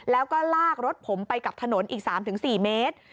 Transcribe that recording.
แล้วก็ลากรถผมไปกับถนนอีก๓๔เมตร